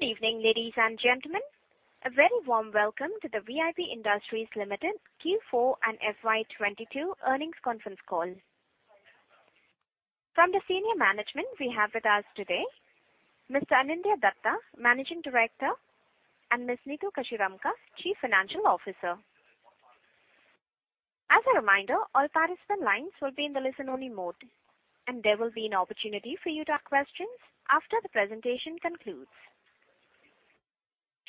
Good evening, ladies and gentlemen. A very warm welcome to the VIP Industries Limited Q4 and FY 22 earnings conference call. From the senior management we have with us today, Mr. Anindya Dutta, Managing Director, and Ms. Neetu Kashiramka, Chief Financial Officer. As a reminder, all participant lines will be in the listen-only mode, and there will be an opportunity for you to ask questions after the presentation concludes.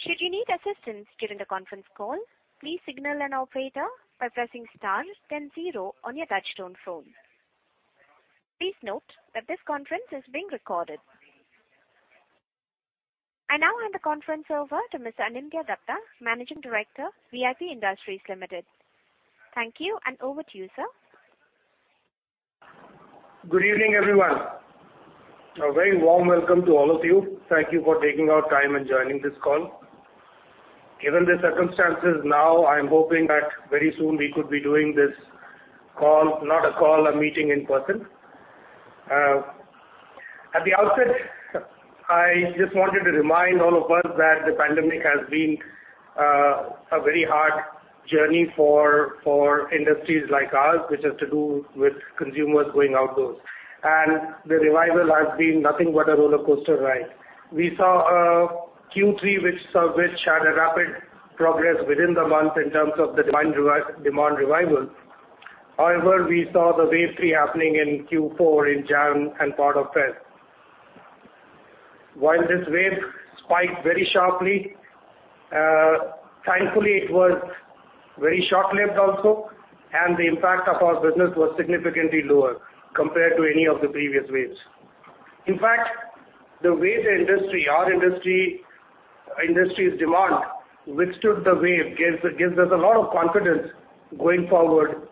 Should you need assistance during the conference call, please signal an operator by pressing star then zero on your touchtone phone. Please note that this conference is being recorded. I now hand the conference over to Mr. Anindya Dutta, Managing Director, VIP Industries Limited. Thank you, and over to you, sir. Good evening, everyone. A very warm welcome to all of you. Thank you for taking out time and joining this call. Given the circumstances now, I'm hoping that very soon we could be doing this call, not a call, a meeting in person. At the outset, I just wanted to remind all of us that the pandemic has been a very hard journey for industries like ours, which has to do with consumers going outdoors, and the revival has been nothing but a rollercoaster ride. We saw Q3, which had a rapid progress within the month in terms of the demand revival. However, we saw the wave three happening in Q4 in January and part of February. While this wave spiked very sharply, thankfully, it was very short-lived also, and the impact of our business was significantly lower compared to any of the previous waves. In fact, the way the industry, our industry, industry's demand, withstood the wave, gives us a lot of confidence going forward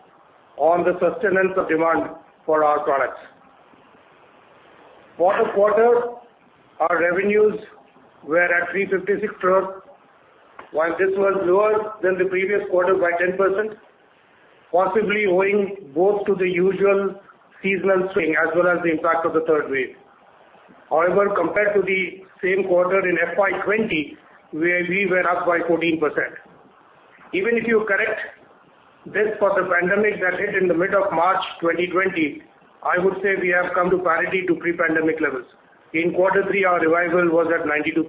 on the sustenance of demand for our products. For the quarter, our revenues were at 356 crore. While this was lower than the previous quarter by 10%, possibly owing both to the usual seasonal swing as well as the impact of the third wave. However, compared to the same quarter in FY 2020, we were up by 14%. Even if you correct this for the pandemic that hit in the mid of March 2020, I would say we have come to parity to pre-pandemic levels. In quarter three, our revival was at 92%,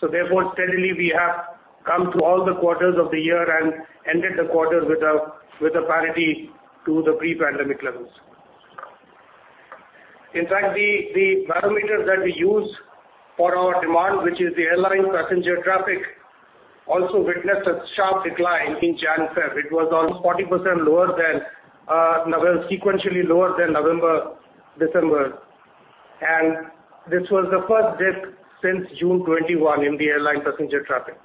so therefore, steadily we have come to all the quarters of the year and ended the quarter with a parity to the pre-pandemic levels. In fact, the barometer that we use for our demand, which is the airline passenger traffic, also witnessed a sharp decline in January, February. It was almost 40% lower than November, December, and this was the first dip since June 2021 in the airline passenger traffic.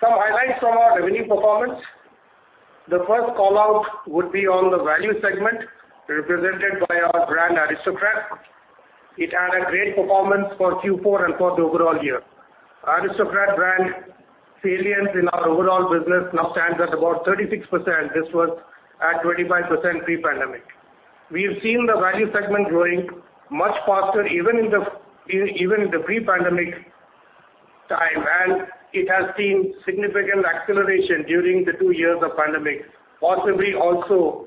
Some highlights from our revenue performance. The first call-out would be on the value segment, represented by our brand Aristocrat. It had a great performance for Q4 and for the overall year. Aristocrat brand salience in our overall business now stands at about 36%. This was at 25% pre-pandemic. We have seen the value segment growing much faster, even in the, even in the pre-pandemic time, and it has seen significant acceleration during the two years of pandemic, possibly also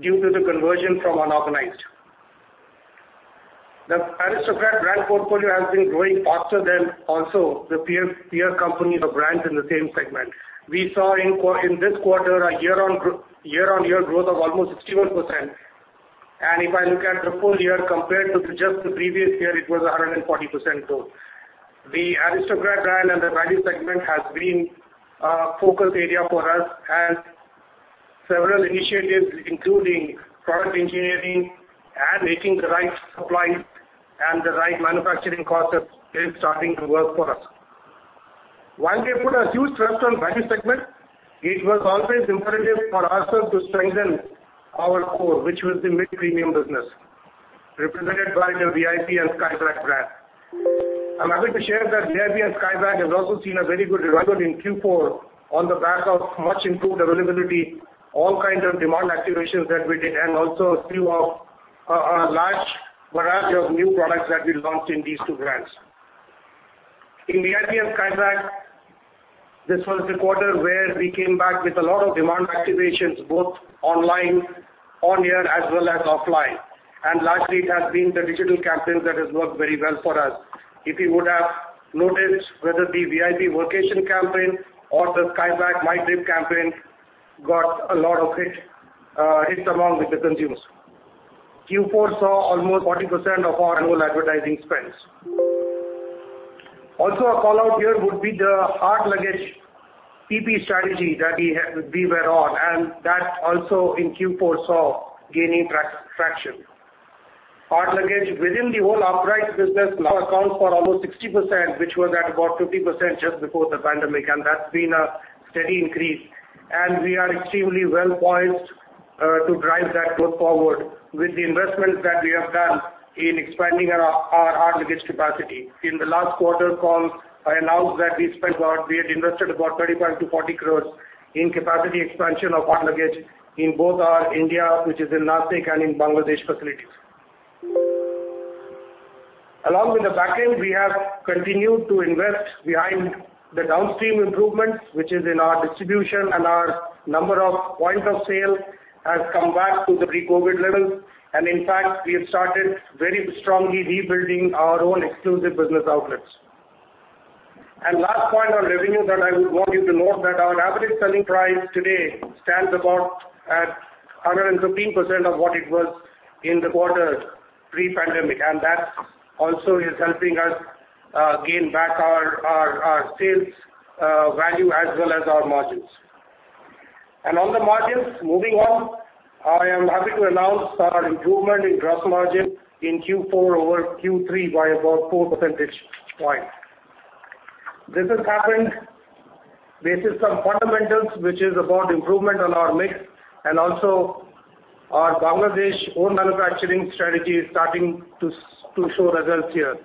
due to the conversion from unorganized. The Aristocrat brand portfolio has been growing faster than also the peer, peer companies or brands in the same segment. We saw in this quarter a year-on-year growth of almost 61%. If I look at the full year compared to just the previous year, it was 140% growth. The Aristocrat brand and the value segment has been a focus area for us, and several initiatives, including product engineering and making the right suppliers and the right manufacturing concepts is starting to work for us. While we put a huge trust on value segment, it was always imperative for us to strengthen our core, which was the mid-premium business, represented by the VIP and Skybags brand. I'm happy to share that VIP and Skybags has also seen a very good revival in Q4 on the back of much improved availability, all kinds of demand activations that we did, and also through a large variety of new products that we launched in these two brands. In VIP and Skybags, this was the quarter where we came back with a lot of demand activations, both online, on-air, as well as offline. Lastly, it has been the digital campaigns that has worked very well for us. If you would have noticed, whether the VIP Workation campaign or the Skybags My Trip campaign got a lot of hits among with the consumers. Q4 saw almost 40% of our annual advertising spends. Also, a call-out here would be the hard luggage PP strategy that we had, we were on, and that also in Q4 saw gaining traction. Hard luggage within the whole upright business now accounts for almost 60%, which was at about 50% just before the pandemic, and that's been a steady increase. And we are extremely well poised to drive that growth forward with the investments that we have done in expanding our hard luggage capacity. In the last quarter call, I announced that we spent about... We had invested about 35 crore-40 crore in capacity expansion of hard luggage in both our India, which is in Nashik and in Bangladesh facilities. Along with the back end, we have continued to invest behind the downstream improvements, which is in our distribution, and our number of points of sale has come back to the pre-COVID levels. And in fact, we have started very strongly rebuilding our own exclusive business outlets. And last point on revenue that I would want you to note, that our average selling price today stands about at 115% of what it was in the quarter pre-pandemic, and that also is helping us gain back our, our, our sales value as well as our margins. And on the margins, moving on, I am happy to announce our improvement in gross margin in Q4 over Q3 by about 4 percentage points. This has happened based on some fundamentals, which is about improvement on our mix, and also our Bangladesh own manufacturing strategy is starting to show results here.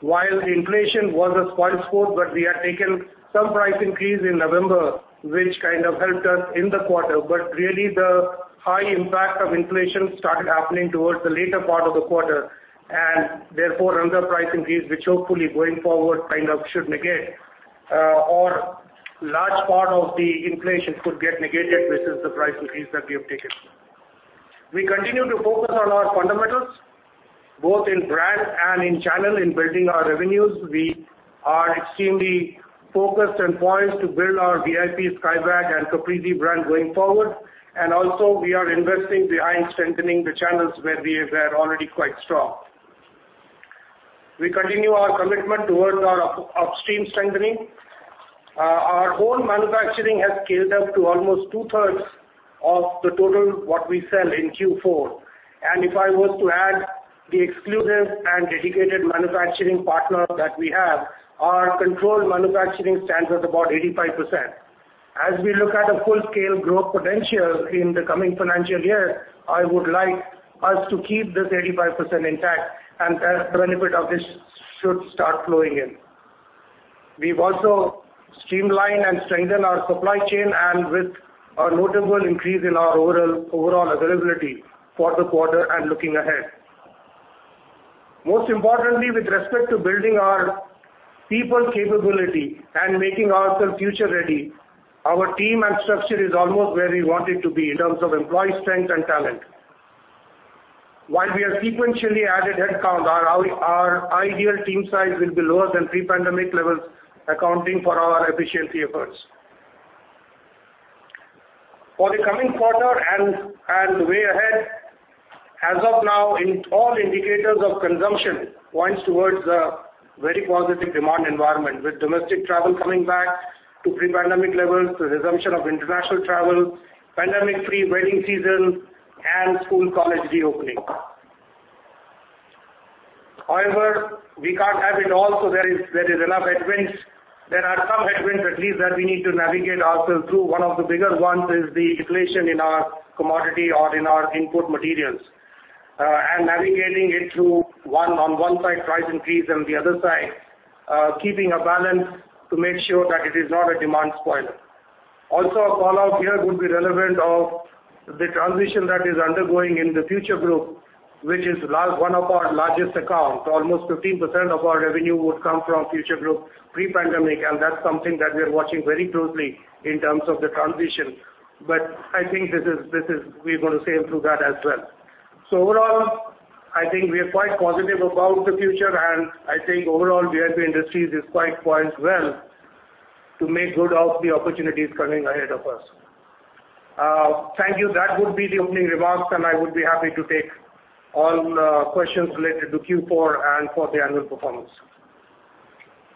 While inflation was a spoilsport, but we had taken some price increase in November, which kind of helped us in the quarter, but really the high impact of inflation started happening towards the later part of the quarter, and therefore another price increase, which hopefully going forward, kind of should negate or large part of the inflation could get negated, which is the price increase that we have taken. We continue to focus on our fundamentals, both in brand and in channel, in building our revenues. We are extremely focused and poised to build our VIP, Skybags, and Caprese brand going forward. And also we are investing behind strengthening the channels where we were already quite strong. We continue our commitment towards our upstream strengthening. Our own manufacturing has scaled up to almost two-thirds of the total, what we sell in Q4. If I was to add the exclusive and dedicated manufacturing partner that we have, our controlled manufacturing stands at about 85%. As we look at a full-scale growth potential in the coming financial year, I would like us to keep this 85% intact, and the benefit of this should start flowing in. We've also streamlined and strengthened our supply chain, and with a notable increase in our overall, overall availability for the quarter and looking ahead. Most importantly, with respect to building our people capability and making ourselves future ready, our team and structure is almost where we want it to be in terms of employee strength and talent. While we have sequentially added headcount, our ideal team size will be lower than pre-pandemic levels, accounting for our efficiency efforts. For the coming quarter and the way ahead, as of now, in all indicators of consumption points towards a very positive demand environment, with domestic travel coming back to pre-pandemic levels, the resumption of international travel, pandemic-free wedding season, and school, college reopening. However, we can't have it all, so there is enough headwinds. There are some headwinds, at least, that we need to navigate ourselves through. One of the bigger ones is the inflation in our commodity or in our input materials, and navigating it through on one side, price increase, and the other side, keeping a balance to make sure that it is not a demand spoiler. Also, a call-out here would be relevant of the transition that is undergoing in the Future Group, which is one of our largest accounts. Almost 15% of our revenue would come from Future Group pre-pandemic, and that's something that we are watching very closely in terms of the transition. But I think this is, this is, we're going to sail through that as well. So overall, I think we are quite positive about the future, and I think overall, VIP Industries is quite poised well to make good of the opportunities coming ahead of us. Thank you. That would be the opening remarks, and I would be happy to take all questions related to Q4 and for the annual performance.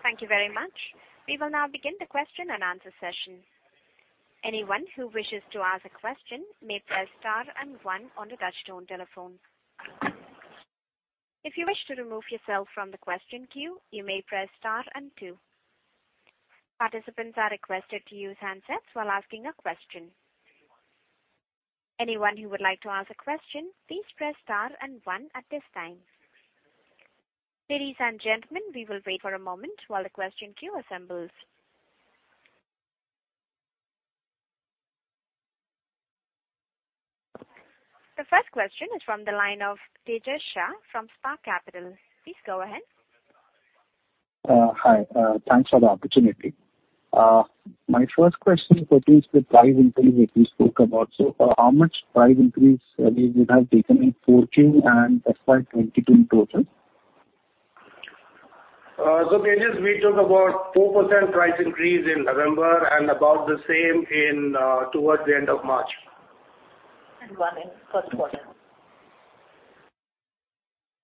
Thank you very much. We will now begin the question and answer session. Anyone who wishes to ask a question may press star and one on the touchtone telephone. If you wish to remove yourself from the question queue, you may press star and two. Participants are requested to use handsets while asking a question. Anyone who would like to ask a question, please press star and one at this time. Ladies and gentlemen, we will wait for a moment while the question queue assembles. The first question is from the line of Tejas Shah from Spark Capital. Please go ahead. Hi. Thanks for the opportunity. My first question pertains to the price increase that you spoke about. So how much price increase you would have taken in 2014 and first part 2022 in total? So Tejas, we talked about 4% price increase in November and about the same in towards the end of March. One in first quarter.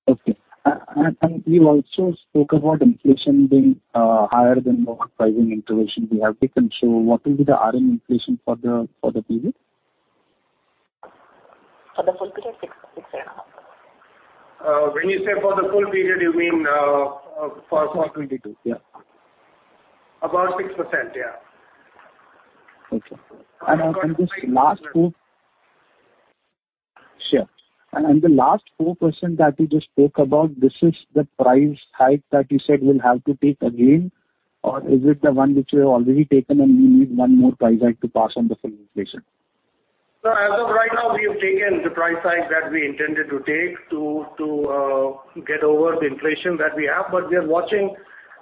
Okay. And you also spoke about inflation being higher than the pricing intuition we have taken. So what will be the RM inflation for the period? For the full period, 6%. When you say for the full period, you mean? For 22, yeah. About 6%, yeah. Okay. And the last 4% that you just spoke about, this is the price hike that you said you'll have to take again, or is it the one which you have already taken, and you need one more price hike to pass on the full inflation? So as of right now, we have taken the price hike that we intended to take to get over the inflation that we have. But we are watching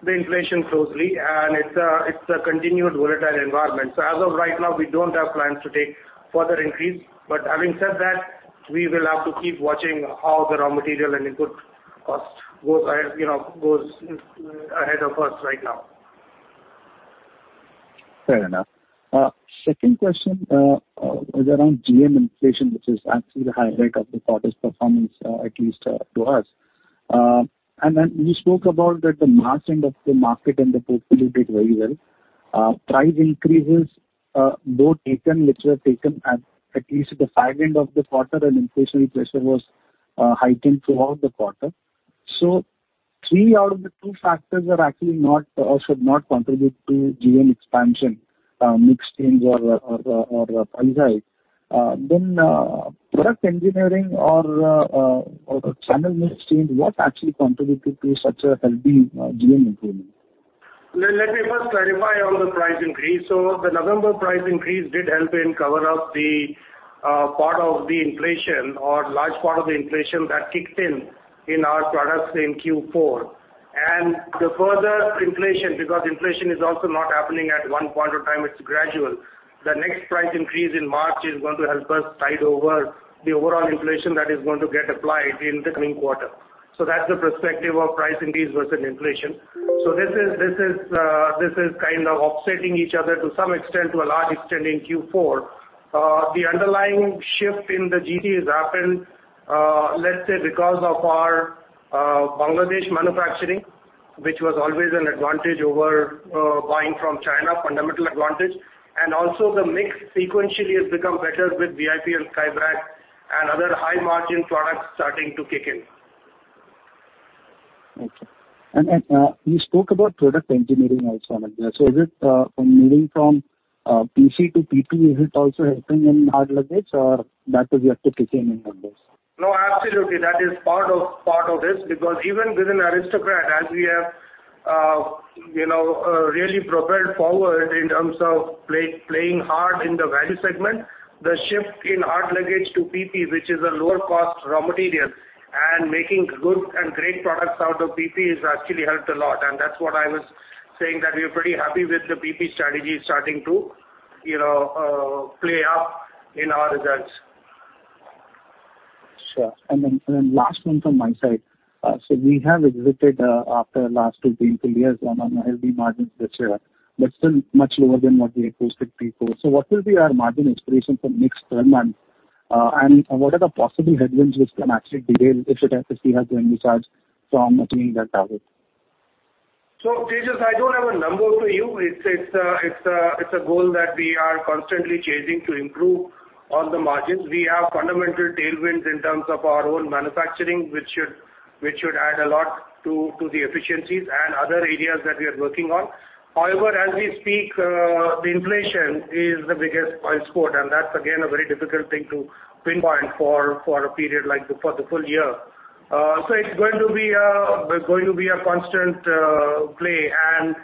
the inflation closely, and it's a continued volatile environment. So as of right now, we don't have plans to take further increase. But having said that, we will have to keep watching how the raw material and input cost goes ahead, you know, goes ahead of us right now. Fair enough. Second question is around GM inflation, which is actually the highlight of the quarter's performance, at least to us. And then you spoke about that the mass end of the market and the portfolio did very well. Price increases were taken, which were taken at the end of the quarter and inflationary pressure was heightened throughout the quarter. So two out of the three factors are actually not or should not contribute to GM expansion, mix change or price hike. Then product engineering or channel mix change, what actually contributed to such a healthy GM improvement? Let me first clarify on the price increase. So the November price increase did help in cover up the part of the inflation or large part of the inflation that kicked in in our products in Q4. And the further inflation, because inflation is also not happening at one point of time, it's gradual. The next price increase in March is going to help us tide over the overall inflation that is going to get applied in the coming quarter. So that's the perspective of price increase versus inflation. So this is kind of offsetting each other to some extent, to a large extent in Q4. The underlying shift in the GT has happened, let's say, because of our Bangladesh manufacturing, which was always an advantage over buying from China, fundamental advantage. And also the mix sequentially has become better with VIP and Skybags and other high-margin products starting to kick in. Okay. And you spoke about product engineering also in there. So is it moving from PC to PP, is it also helping in hard luggage, or that is yet to kick in in numbers? No, absolutely. That is part of, part of this, because even within Aristocrat, as we have, you know, really propelled forward in terms of play-playing hard in the value segment, the shift in hard luggage to PP, which is a lower cost raw material, and making good and great products out of PP has actually helped a lot. And that's what I was saying, that we're pretty happy with the PP strategy starting to, you know, play up in our results. Sure. And then, and then last one from my side. So we have exited after last two, three, four years on healthy margins this year, but still much lower than what we expected before. So what will be our margin expectation for next 12 months, and what are the possible headwinds which can actually delay, if it has to see us to any charge from achieving that target? So, Tejas, I don't have a number for you. It's a goal that we are constantly chasing to improve on the margins. We have fundamental tailwinds in terms of our own manufacturing, which should add a lot to the efficiencies and other areas that we are working on. However, as we speak, the inflation is the biggest blind spot, and that's again a very difficult thing to pinpoint for a period like the for the full year. So it's going to be a constant play, and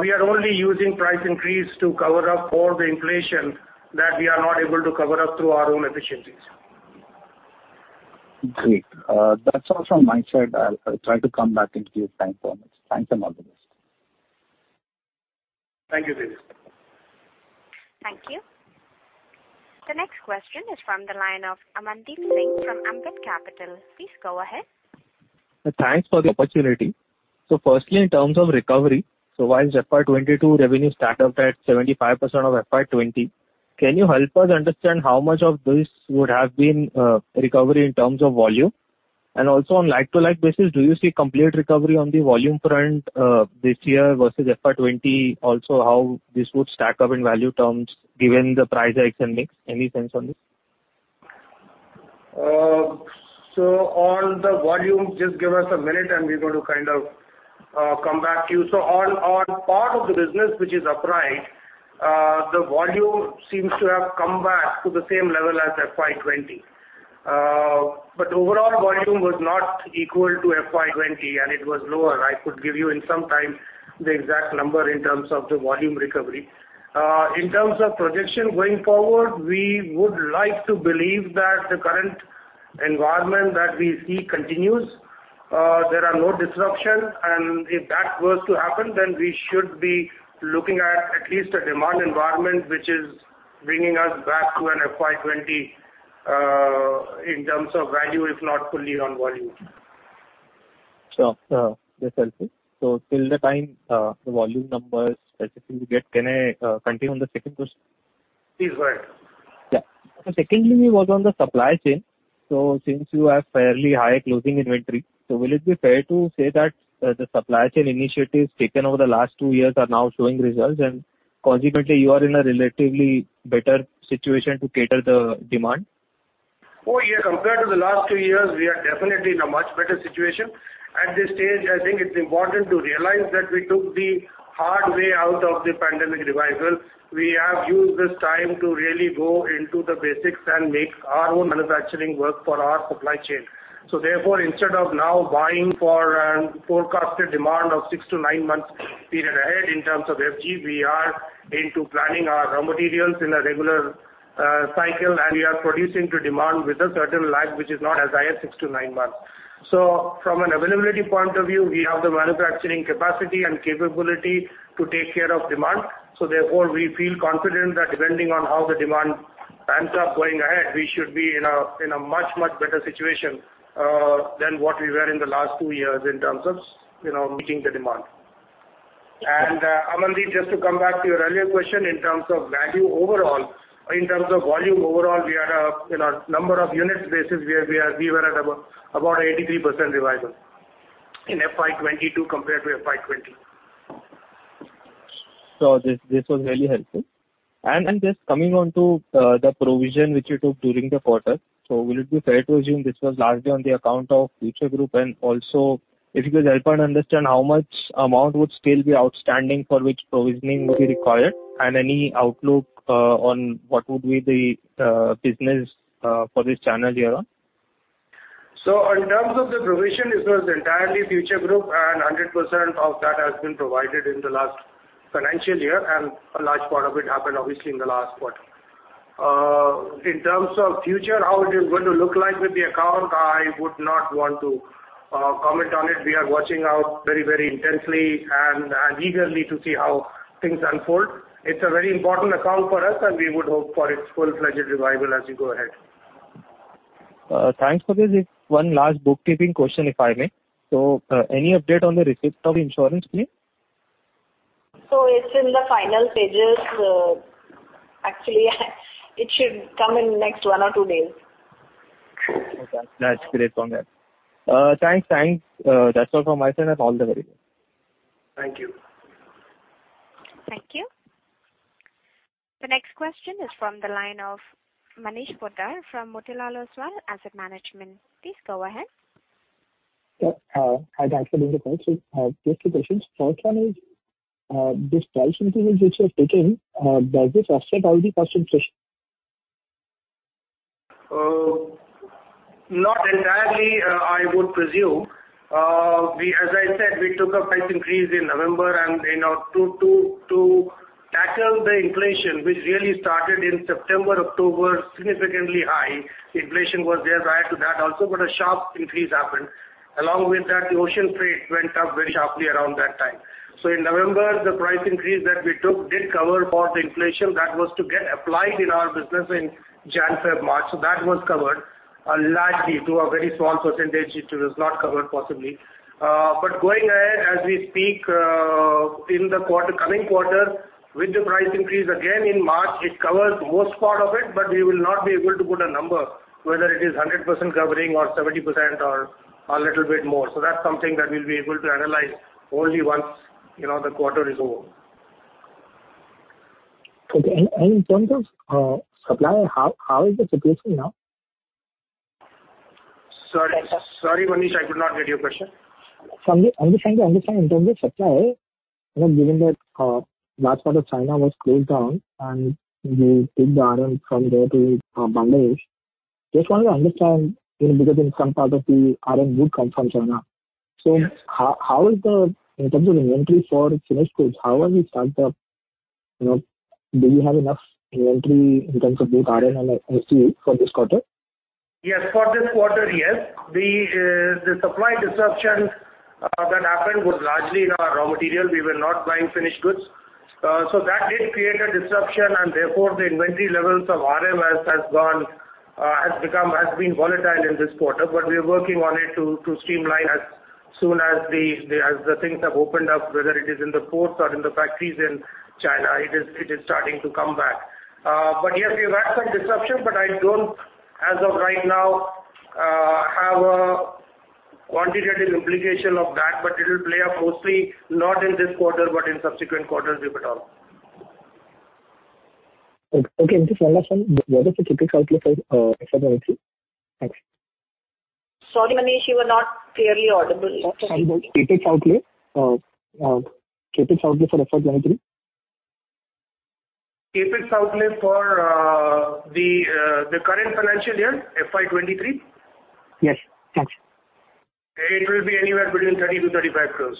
we are only using price increase to cover up for the inflation that we are not able to cover up through our own efficiencies. Great. That's all from my side. I'll try to come back to you if time permits. Thanks, and all the best. Thank you, Tejas. Thank you. The next question is from the line of Amandeep Singh from Ambit Capital. Please go ahead. Thanks for the opportunity. So firstly, in terms of recovery, so while FY 2022 revenue stacked up at 75% of FY 2020, can you help us understand how much of this would have been recovery in terms of volume? And also on like-for-like basis, do you see complete recovery on the volume front, this year versus FY 2020? Also, how this would stack up in value terms, given the price hikes and mix? Any sense on this? So on the volume, just give us a minute, and we're going to kind of come back to you. So on part of the business which is upright, the volume seems to have come back to the same level as FY 2020. But overall volume was not equal to FY 2020, and it was lower. I could give you in some time the exact number in terms of the volume recovery. In terms of projection going forward, we would like to believe that the current environment that we see continues, there are no disruptions, and if that were to happen, then we should be looking at least a demand environment which is bringing us back to an FY 2020, in terms of value, if not fully on volume. Sure. That's helpful. So till the time, the volume numbers, specifically we get, can I continue on the second question? Please go ahead. Yeah. So secondly, was on the supply chain. So since you have fairly high closing inventory, so will it be fair to say that, the supply chain initiatives taken over the last two years are now showing results, and consequently, you are in a relatively better situation to cater the demand? Oh, yeah, compared to the last two years, we are definitely in a much better situation. At this stage, I think it's important to realize that we took the hard way out of the pandemic revival. We have used this time to really go into the basics and make our own manufacturing work for our supply chain. So therefore, instead of now buying for a forecasted demand of 6-9 months period ahead in terms of FG, we are into planning our raw materials in a regular cycle, and we are producing to demand with a certain lag, which is not as high as six to nine months. So from an availability point of view, we have the manufacturing capacity and capability to take care of demand. Therefore, we feel confident that depending on how the demand ramps up going ahead, we should be in a, in a much, much better situation than what we were in the last two years in terms of, you know, meeting the demand. And, Amandeep, just to come back to your earlier question, in terms of value overall, in terms of volume overall, we are, in a number of units basis, we are, we are, we were at about 83% revival in FY 2022 compared to FY 2020. So this, this was really helpful. And just coming on to the provision which you took during the quarter, so will it be fair to assume this was largely on the account of Future Group? And also, if you could help us understand how much amount would still be outstanding for which provisioning will be required, and any outlook on what would be the business for this channel here on? So in terms of the provision, it was entirely Future Group, and 100% of that has been provided in the last financial year, and a large part of it happened obviously in the last quarter. In terms of future, how it is going to look like with the account, I would not want to comment on it. We are watching out very, very intensely and eagerly to see how things unfold. It's a very important account for us, and we would hope for its full-fledged revival as we go ahead. Thanks for this. One last bookkeeping question, if I may. So, any update on the receipt of insurance, please? It's in the final stages. Actually, it should come in next one or two days. Okay, that's great to hear. Thanks. Thanks. That's all from my side, and all the very best. Thank you. Thank you. The next question is from the line of Manish Poddar from Motilal Oswal Asset Management. Please go ahead. Yeah, hi, thanks for the call. So, just two questions. First one is, this price increase which you have taken, does this offset all the past inflation? Not entirely, I would presume. As I said, we took a price increase in November, and, you know, to tackle the inflation, which really started in September, October, significantly high. Inflation was there prior to that also, but a sharp increase happened. Along with that, the ocean freight went up very sharply around that time. So in November, the price increase that we took did cover for the inflation. That was to get applied in our business in Jan, Feb, March. So that was covered largely, to a very small percentage, it was not covered, possibly. But going ahead, as we speak, in the coming quarter, with the price increase again in March, it covers most part of it, but we will not be able to put a number, whether it is 100% covering or 70% or a little bit more. So that's something that we'll be able to analyze only once, you know, the quarter is over. Okay. And in terms of supply, how is the situation now? Sorry, sorry, Manish, I could not get your question. I'm just trying to understand in terms of supply, you know, given that a large part of China was closed down and you took the RM from there to Bangladesh. Just want to understand, you know, because in some part of the RM would come from China. Yes. So how is the... in terms of inventory for finished goods, how are we stacked up? You know, do we have enough inventory in terms of both RM and FG for this quarter? Yes, for this quarter, yes. The supply disruption that happened was largely in our raw material. We were not buying finished goods. So that did create a disruption, and therefore, the inventory levels of RM's has gone, has become-has been volatile in this quarter. But we are working on it to streamline as soon as the things have opened up, whether it is in the ports or in the factories in China, it is starting to come back. But yes, we've had some disruption, but I don't, as of right now, have a quantitative implication of that, but it'll play out mostly not in this quarter, but in subsequent quarters, if at all. Okay, okay. Just one last one. What is the CapEx outlay for FY 2023? Thanks. Sorry, Manish, you were not clearly audible. CapEx outlay for FY 2023. CapEx outlay for the current financial year, FY 23? Yes, thanks. It will be anywhere between 30 crore-35 crore,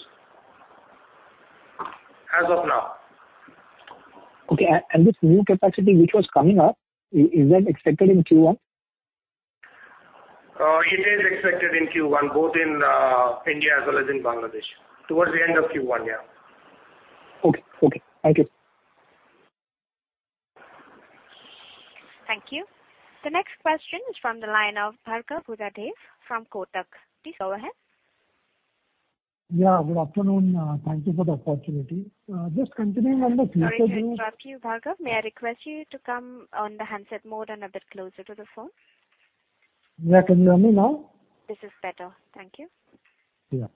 as of now. Okay, and this new capacity which was coming up, is that expected in Q1? It is expected in Q1, both in India as well as in Bangladesh. Towards the end of Q1, yeah. Okay. Okay, thank you. Thank you. The next question is from the line of Bhargav Buddhadev from Kotak. Please go ahead. Yeah, good afternoon. Thank you for the opportunity. Just continuing on the- Sorry to interrupt you, Bhargav. May I request you to come on the handset mode and a bit closer to the phone? Yeah, can you hear me now? This is better. Thank you. Yeah.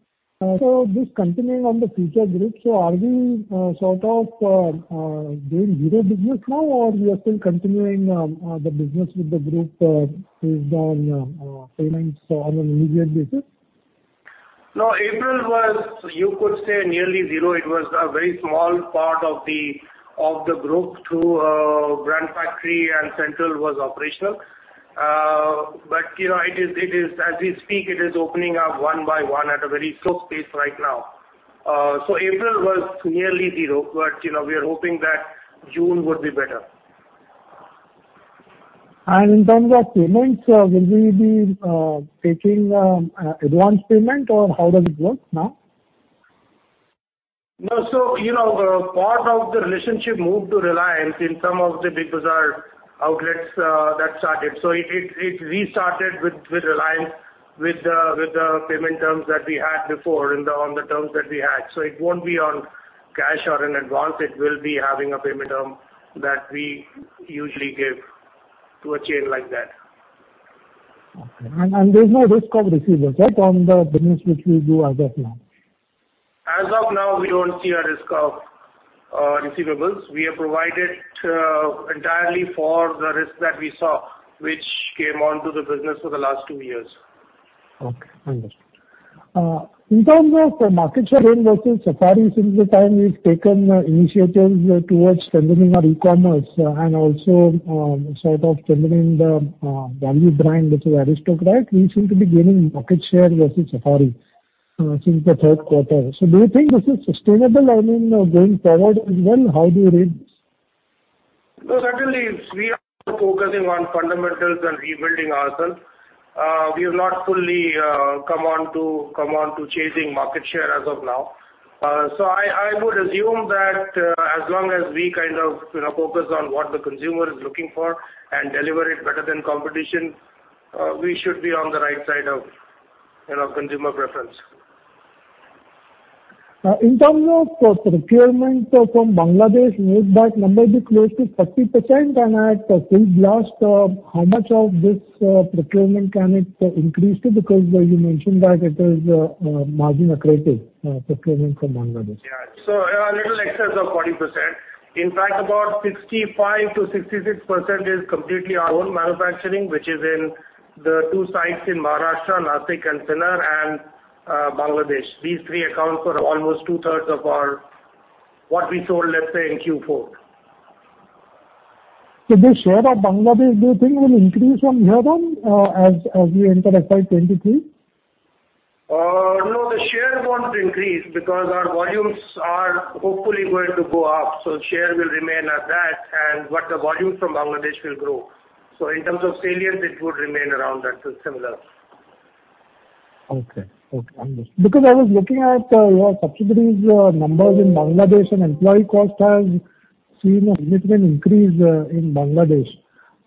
So just continuing on the Future Group, so are we sort of doing zero business now or we are still continuing the business with the group based on payments on an immediate basis? No, April was, you could say nearly zero. It was a very small part of the group through Brand Factory and Central was operational. But, you know, it is, it is, as we speak, it is opening up one by one at a very slow pace right now. So April was nearly zero, but, you know, we are hoping that June would be better. In terms of payments, will we be taking advance payment or how does it work now? No, so, you know, part of the relationship moved to Reliance in some of the Big Bazaar outlets that started. So it restarted with Reliance, with the payment terms that we had before, on the terms that we had. So it won't be on cash or in advance, it will be having a payment term that we usually give to a chain like that. Okay. And there's no risk of receivables, right, on the business which we do as of now? As of now, we don't see a risk of receivables. We have provided entirely for the risk that we saw, which came on to the business for the last two years. Okay, understood. In terms of market share in versus Safari, since the time we've taken initiatives towards strengthening our e-commerce and also, sort of strengthening the value brand, which is Aristocrat, we seem to be gaining market share versus Safari since the third quarter. So do you think this is sustainable, I mean, going forward as well? How do you read this? No, certainly, we are focusing on fundamentals and rebuilding ourselves. We have not fully come on to chasing market share as of now. So I would assume that as long as we kind of, you know, focus on what the consumer is looking for and deliver it better than competition, we should be on the right side of, you know, consumer preference. In terms of procurement from Bangladesh, made that number be close to 30%, and at peak last, how much of this procurement can it increase to? Because you mentioned that it is margin accretive, procurement from Bangladesh. Yeah. So a little excess of 40%. In fact, about 65%-66% is completely our own manufacturing, which is in the two sites in Maharashtra, Nashik and Sinnar and Bangladesh. These three account for almost two-thirds of our, what we sold, let's say, in Q4. So the share of Bangladesh, do you think, will increase from here on, as we enter FY 2023? No, the share won't increase because our volumes are hopefully going to go up, so share will remain at that, and but the volume from Bangladesh will grow. So in terms of salience, it would remain around that similar. Okay. Okay, understood. Because I was looking at, your subsidiary's numbers in Bangladesh, and employee cost has seen a significant increase, in Bangladesh.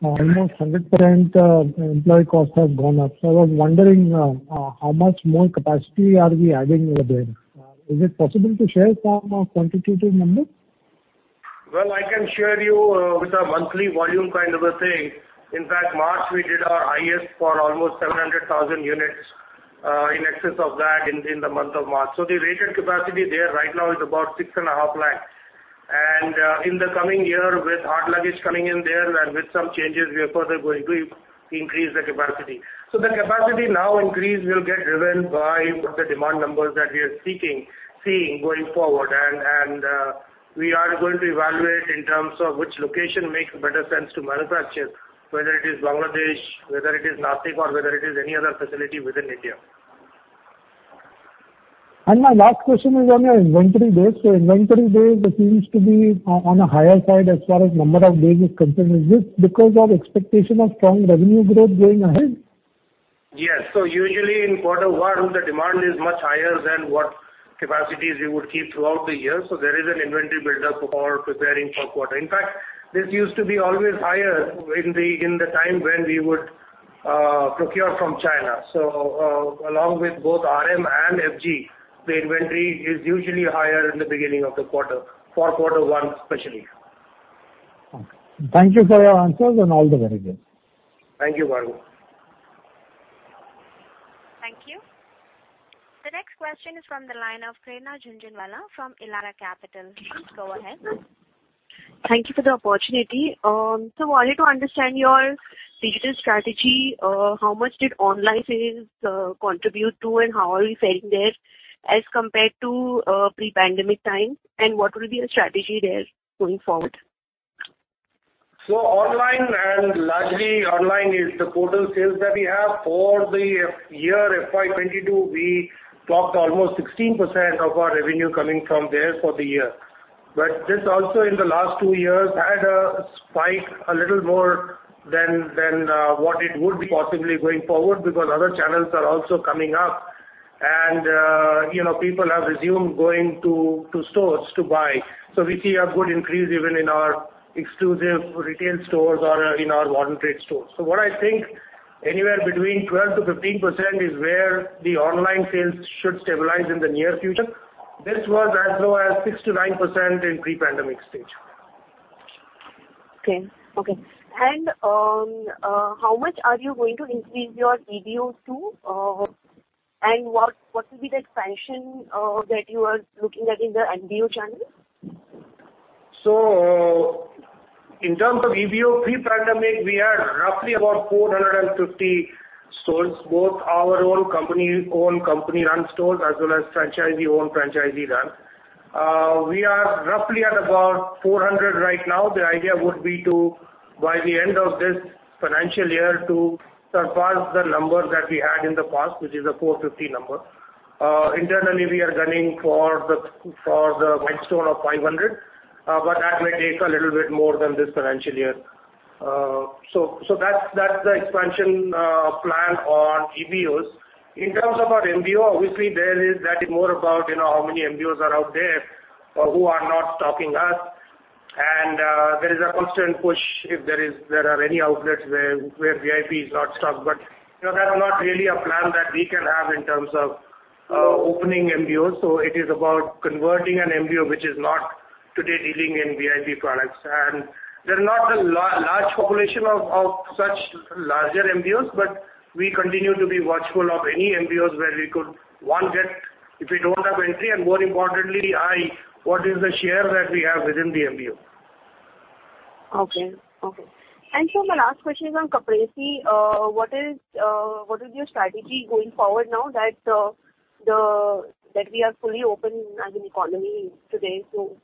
Almost 100%, employee costs have gone up. So I was wondering, how much more capacity are we adding over there? Is it possible to share some quantitative numbers? Well, I can share you with a monthly volume kind of a thing. In fact, March, we did our highest for almost 700,000 units, in excess of that in the month of March. So the rated capacity there right now is about 650,000. In the coming year, with hard luggage coming in there and with some changes, we are further going to increase the capacity. So the capacity now increase will get driven by the demand numbers that we are seeing going forward. We are going to evaluate in terms of which location makes better sense to manufacture, whether it is Bangladesh, whether it is Nashik, or whether it is any other facility within India. My last question is on your inventory days. Inventory days, it seems to be on a higher side as far as number of days is concerned. Is this because of expectation of strong revenue growth going ahead? Yes. So usually in quarter one, the demand is much higher than what capacities we would keep throughout the year, so there is an inventory buildup for preparing for quarter. In fact, this used to be always higher in the time when we would procure from China. So, along with both RM and FG, the inventory is usually higher in the beginning of the quarter, for quarter one, especially. Okay. Thank you for your answers and all the very best. Thank you, Bhargav. Thank you. The next question is from the line of Prerna Jhunjhunwala from Elara Capital. Please go ahead. Thank you for the opportunity. So wanted to understand your digital strategy, how much did online sales contribute to and how are you faring there as compared to pre-pandemic times, and what will be your strategy there going forward? So online, and largely online, is the total sales that we have. For the year FY 2022, we clocked almost 16% of our revenue coming from there for the year. But this also in the last two years had a spike a little more than what it would be possibly going forward, because other channels are also coming up and, you know, people have resumed going to stores to buy. So we see a good increase even in our exclusive retail stores or in our modern trade stores. So what I think anywhere between 12%-15% is where the online sales should stabilize in the near future. This was as low as 6%-9% in pre-pandemic stage. Okay, okay. And how much are you going to increase your EBO too? And what will be the expansion that you are looking at in the MBO channel? So, in terms of EBO, pre-pandemic, we had roughly about 450 stores, both our own company, own company-run stores, as well as franchisee-owned, franchisee-run. We are roughly at about 400 right now. The idea would be to, by the end of this financial year, to surpass the numbers that we had in the past, which is a 450 number. Internally, we are gunning for the, for the milestone of 500, but that may take a little bit more than this financial year. So, so that's, that's the expansion, plan on EBOs. In terms of our MBO, obviously, there is that is more about, you know, how many MBOs are out there, who are not stocking us. And, there is a constant push if there is- there are any outlets where, where VIP is not stocked. But, you know, there are not really a plan that we can have in terms of opening MBOs, so it is about converting an MBO, which is not today dealing in VIP products. And there are not a large population of such larger MBOs, but we continue to be watchful of any MBOs where we could, one, get if we don't have entry, and more importantly, what is the share that we have within the MBO? Okay. Okay. And sir, my last question is on Caprese. What is your strategy going forward now that we are fully open as an economy today, so?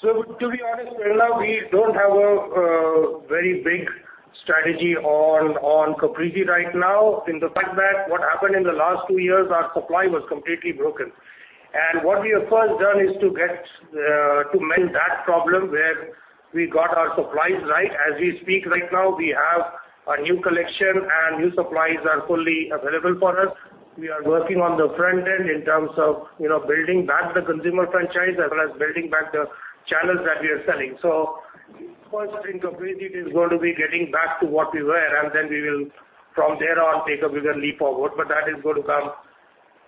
So to be honest, Prerna, we don't have a very big strategy on, on Caprese right now. In fact, what happened in the last two years, our supply was completely broken. And what we have first done is to get to mend that problem where we got our supplies right. As we speak right now, we have a new collection, and new supplies are fully available for us. We are working on the front end in terms of, you know, building back the consumer franchise, as well as building back the channels that we are selling. So first, in Caprese, it is going to be getting back to what we were, and then we will, from there on, take a bigger leap forward. But that is going to come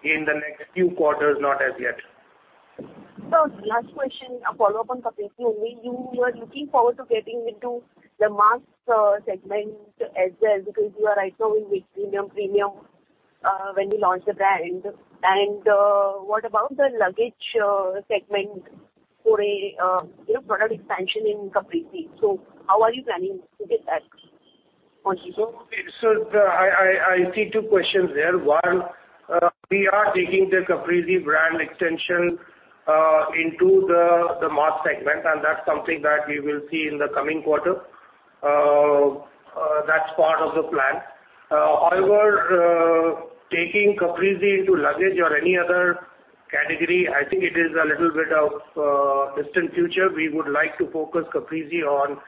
in the next few quarters, not as yet. So last question, a follow-up on Caprese only. You are looking forward to getting into the mass segment as well, because you are right now in mid-premium, premium when you launched the brand. And what about the luggage segment for a, you know, further expansion in Caprese? So how are you planning to get that onto you? So, I see two questions there. One, we are taking the Caprese brand extension into the mass segment, and that's something that we will see in the coming quarter. That's part of the plan. However, taking Caprese into luggage or any other category, I think it is a little bit of distant future. We would like to focus Caprese on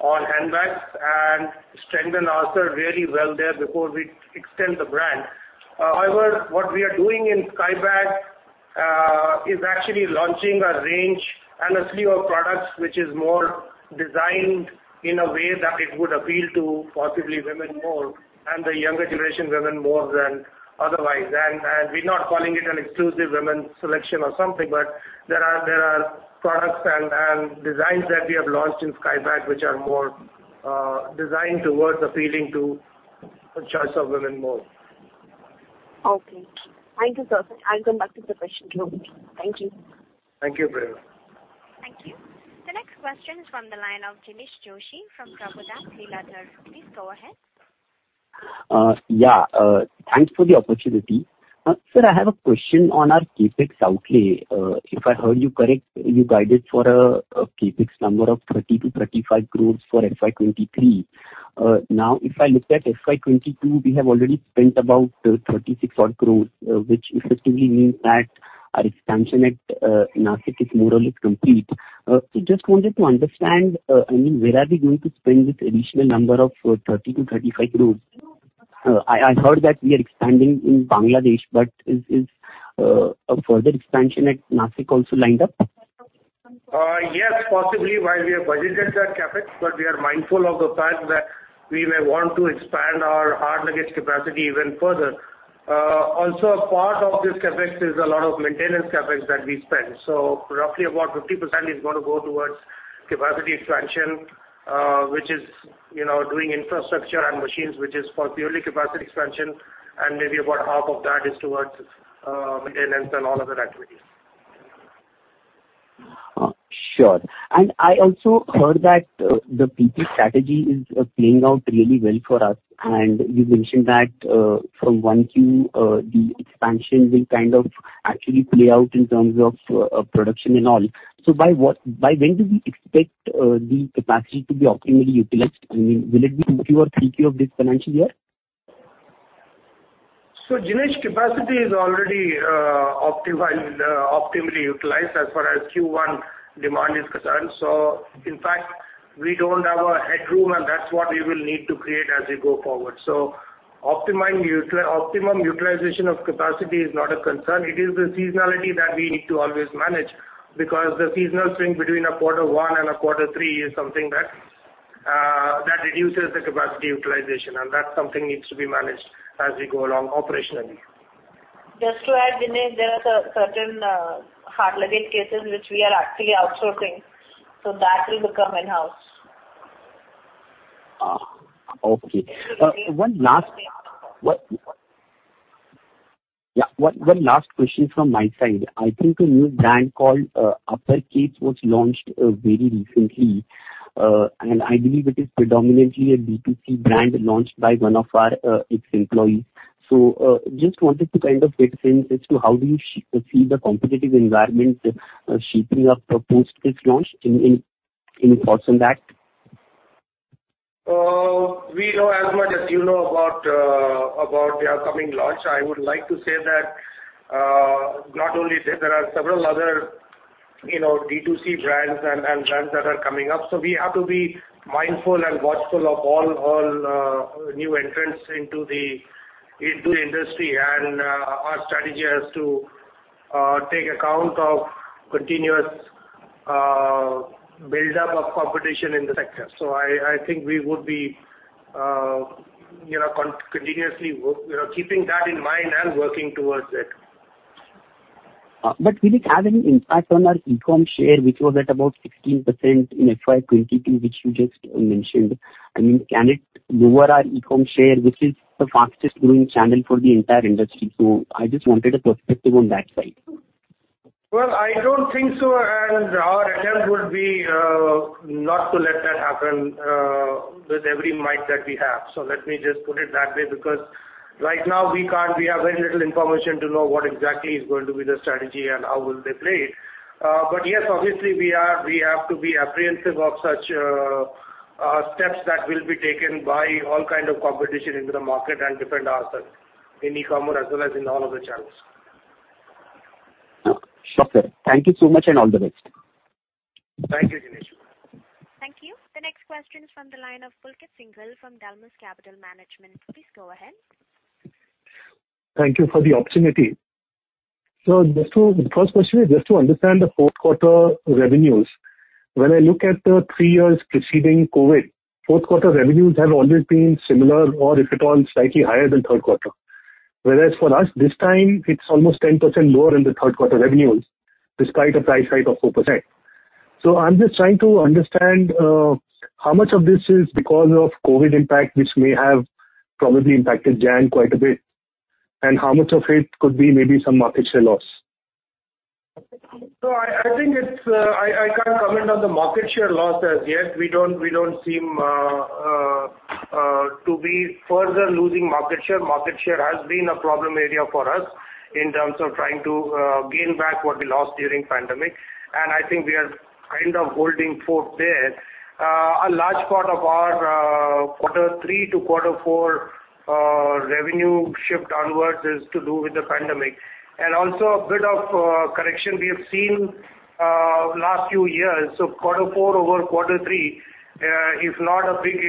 handbags and strengthen ourself really well there before we extend the brand. However, what we are doing in Skybags is actually launching a range and a slew of products, which is more designed in a way that it would appeal to possibly women more, and the younger generation women more than otherwise. We're not calling it an exclusive women's selection or something, but there are products and designs that we have launched in Skybags, which are more designed towards appealing to a choice of women more. Okay. Thank you, sir. I'll come back with the question later. Thank you. Thank you, Prerna. Thank you. The next question is from the line of Jinesh Joshi from Prabhudas Lilladher. Please go ahead. Yeah, thanks for the opportunity. Sir, I have a question on our CapEx outlay. If I heard you correct, you guided for a CapEx number of 30-35 crores for FY 2023. Now, if I look at FY 2022, we have already spent about 36 odd crores, which effectively means that our expansion at Nashik is more or less complete. So just wanted to understand, I mean, where are we going to spend this additional number of 30-35 crores? I heard that we are expanding in Bangladesh, but is a further expansion at Nashik also lined up? Yes, possibly, while we have budgeted that CapEx, but we are mindful of the fact that we may want to expand our hard luggage capacity even further. Also a part of this CapEx is a lot of maintenance CapEx that we spend. So roughly about 50% is gonna go towards capacity expansion, which is, you know, doing infrastructure and machines, which is for purely capacity expansion, and maybe about half of that is towards maintenance and all other activities. Sure. And I also heard that the CapEx strategy is playing out really well for us. And you mentioned that from one Q the expansion will kind of actually play out in terms of production and all. So by when do we expect the capacity to be optimally utilized? I mean, will it be Q2 or Q3 of this financial year? So Jinesh, capacity is already optimized optimally utilized as far as Q1 demand is concerned. So in fact, we don't have a headroom, and that's what we will need to create as we go forward. So optimized optimum utilization of capacity is not a concern. It is the seasonality that we need to always manage, because the seasonal swing between a quarter one and a quarter three is something that that reduces the capacity utilization, and that's something needs to be managed as we go along operationally. Just to add, Jinesh, there are certain hard luggage cases which we are actually outsourcing, so that will become in-house. Okay. One last question from my side. I think a new brand called Uppercase was launched very recently, and I believe it is predominantly a D2C brand launched by one of our, its employees. So, just wanted to kind of get a sense as to how do you see the competitive environment shaping up post this launch, thoughts on that? We know as much as you know about the upcoming launch. I would like to say that, not only this, there are several other, you know, D2C brands and brands that are coming up. So we have to be mindful and watchful of all new entrants into the industry. And our strategy has to take account of continuous buildup of competition in the sector. So I think we would be, you know, continuously work, you know, keeping that in mind and working towards it. But will it have any impact on our e-com share, which was at about 16% in FY 2022, which you just mentioned? I mean, can it lower our e-com share, which is the fastest growing channel for the entire industry? So I just wanted a perspective on that side. Well, I don't think so, and our attempt would be not to let that happen with every might that we have. So let me just put it that way, because right now we can't, we have very little information to know what exactly is going to be the strategy and how will they play. But yes, obviously, we are, we have to be apprehensive of such steps that will be taken by all kind of competition into the market and defend ourselves in e-commerce as well as in all other channels. Sure, sir. Thank you so much, and all the best. Thank you, Jinesh. Thank you. The next question is from the line of Pulkit Singhal from Dalmus Capital Management. Please go ahead. Thank you for the opportunity. So just to... The first question is just to understand the fourth quarter revenues. When I look at the three years preceding COVID, fourth quarter revenues have always been similar or if at all, slightly higher than third quarter. Whereas for us, this time it's almost 10% lower than the third quarter revenues, despite a price hike of 4%. So I'm just trying to understand, how much of this is because of COVID impact, which may have probably impacted January quite a bit, and how much of it could be maybe some market share loss? So I think it's, I can't comment on the market share loss as yet. We don't seem to be further losing market share. Market share has been a problem area for us in terms of trying to gain back what we lost during pandemic, and I think we are kind of holding forth there. A large part of our quarter three to quarter four revenue shift downwards is to do with the pandemic and also a bit of correction we have seen last few years. So quarter four over quarter three is not a big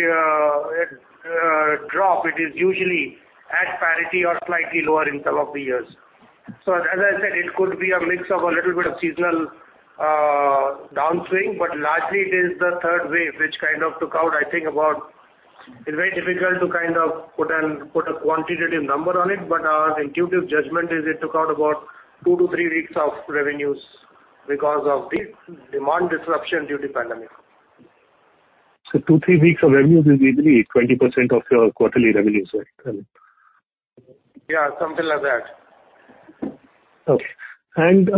drop. It is usually at parity or slightly lower in some of the years. So as I said, it could be a mix of a little bit of seasonal downswing, but largely it is the third wave, which kind of took out, I think, about, it's very difficult to kind of put a quantitative number on it, but our intuitive judgment is it took out about two to three weeks of revenues because of the demand disruption due to pandemic. Two to three weeks of revenues is easily 20% of your quarterly revenues, right? Yeah, something like that. Okay. And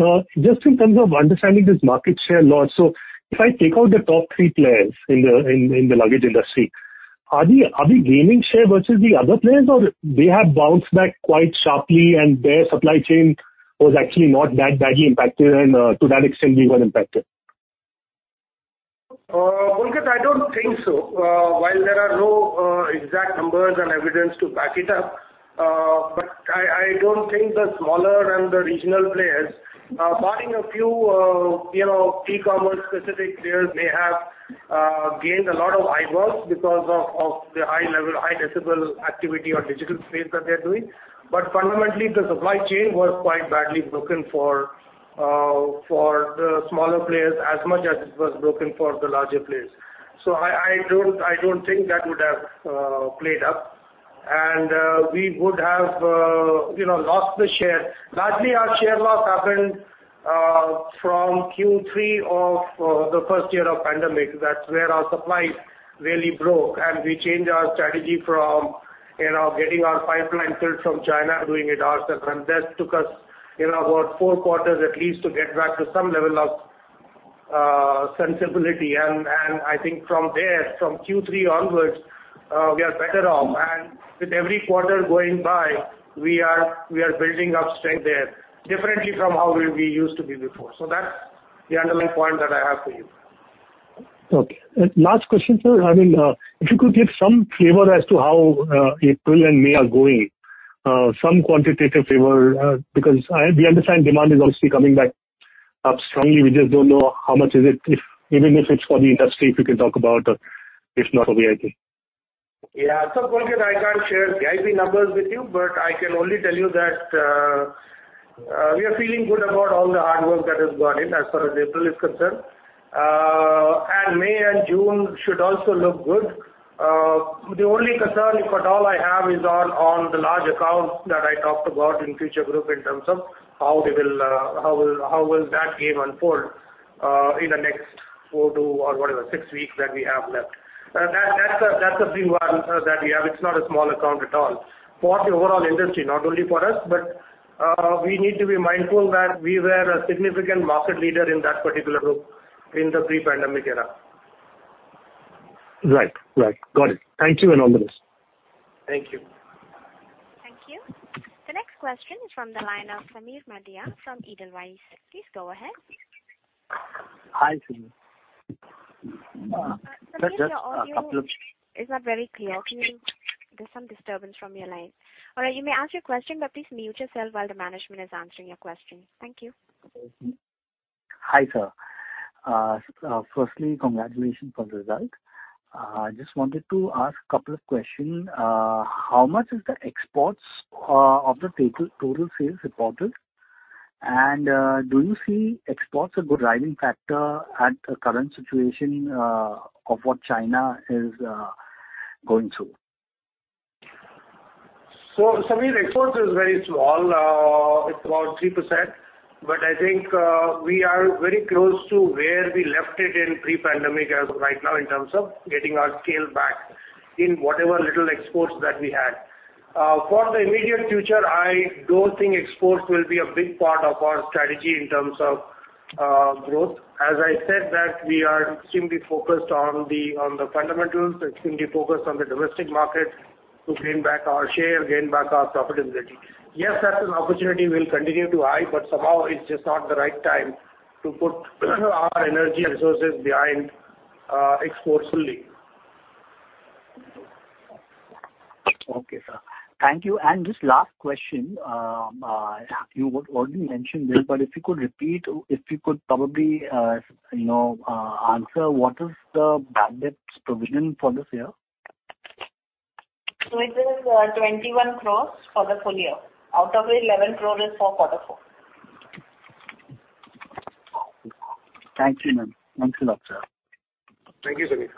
just in terms of understanding this market share loss, so if I take out the top three players in the luggage industry, are we gaining share versus the other players, or they have bounced back quite sharply and their supply chain was actually not that badly impacted, and to that extent, we were impacted? Pulkit, I don't think so. While there are no exact numbers and evidence to back it up, but I don't think the smaller and the regional players, barring a few, you know, e-commerce specific players, may have gained a lot of eyeballs because of the high level, high decibel activity on digital space that they're doing. But fundamentally, the supply chain was quite badly broken for the smaller players as much as it was broken for the larger players. So I don't think that would have played up, and we would have, you know, lost the share. Largely, our share loss happened from Q3 of the first year of pandemic. That's where our supply really broke, and we changed our strategy from, you know, getting our pipeline filled from China, doing it ourselves. And that took us, you know, about 4 quarters at least to get back to some level of sensibility. And I think from there, from Q3 onwards, we are better off, and with every quarter going by, we are building up strength there differently from how we used to be before. So that's the underlying point that I have for you. Okay. Last question, sir. I mean, if you could give some flavor as to how April and May are going, some quantitative flavor, because I, we understand demand is obviously coming back up strongly. We just don't know how much is it, if even if it's for the industry, if you can talk about, or if not for VIP? Yeah. So Pulkit, I can't share VIP numbers with you, but I can only tell you that we are feeling good about all the hard work that has gone in as far as April is concerned. And May and June should also look good. The only concern, if at all I have, is on the large accounts that I talked about in Future Group, in terms of how they will, how will that game unfold in the next four to, or whatever, six weeks that we have left. That, that's a big one that we have. It's not a small account at all. For the overall industry, not only for us, but we need to be mindful that we were a significant market leader in that particular group in the pre-pandemic era. Right. Right. Got it. Thank you, Anindya. Thank you. Thank you. The next question is from the line of Sameer Madia from Edelweiss. Please go ahead. Hi, Sir. Just a couple of- Sameer, your audio is not very clear. There's some disturbance from your line. All right, you may ask your question, but please mute yourself while the management is answering your question. Thank you. Hi, sir. Firstly, congratulations on the result. I just wanted to ask a couple of questions. How much is the exports of the total total sales reported? And, do you see exports a good driving factor at the current situation of what China is going through? So Sameer, exports is very small. It's about 3%, but I think, we are very close to where we left it in pre-pandemic as of right now, in terms of getting our scale back in whatever little exports that we had. For the immediate future, I don't think exports will be a big part of our strategy in terms of, growth. As I said, that we are extremely focused on the, on the fundamentals, extremely focused on the domestic market, to gain back our share, gain back our profitability. Yes, that's an opportunity will continue to eye, but somehow it's just not the right time to put our energy and resources behind, exports fully. Okay, sir. Thank you. And just last question, you already mentioned this, but if you could repeat, if you could probably, you know, answer, what is the bad debts provision for this year? So it is 21 crore for the full year. Out of it, 11 crore is for quarter four. Thank you, ma'am. Thank you, Neetu. Thank you, Sameer.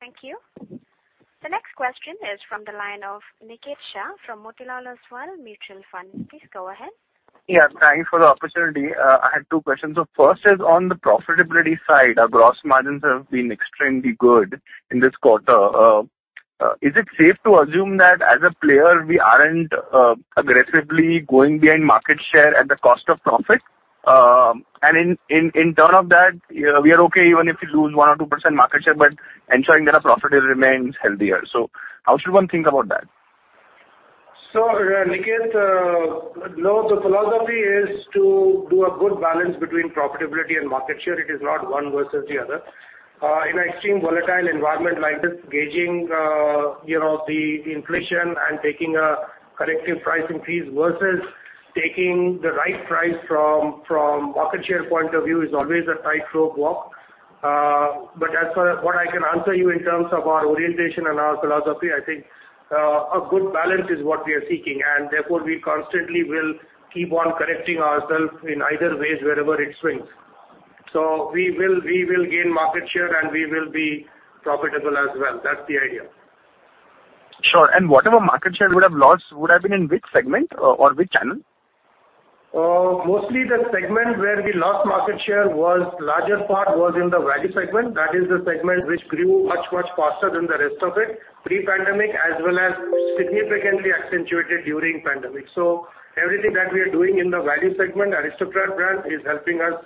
Thank you. The next question is from the line of Niket Shah from Motilal Oswal Mutual Fund. Please go ahead. Yeah, thank you for the opportunity. I had two questions. So first is on the profitability side. Our gross margins have been extremely good in this quarter. Is it safe to assume that as a player, we aren't aggressively going behind market share at the cost of profit? And in terms of that, we are okay even if we lose 1% or 2% market share, but ensuring that our profitability remains healthier. So how should one think about that? So, Niket, no, the philosophy is to do a good balance between profitability and market share. It is not one versus the other. In an extreme volatile environment like this, gauging, you know, the inflation and taking a corrective price increase versus taking the right price from, from market share point of view is always a tightrope walk. But as for what I can answer you in terms of our orientation and our philosophy, I think, a good balance is what we are seeking, and therefore, we constantly will keep on correcting ourselves in either ways, wherever it swings. So we will, we will gain market share, and we will be profitable as well. That's the idea. Sure. And whatever market share we would have lost would have been in which segment or, or which channel? Mostly the segment where we lost market share was larger part was in the value segment. That is the segment which grew much, much faster than the rest of it, pre-pandemic, as well as significantly accentuated during pandemic. So everything that we are doing in the value segment, Aristocrat brand, is helping us